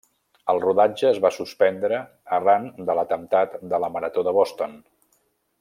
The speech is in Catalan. El rodatge es va suspendre arran de l'atemptat de la marató de Boston.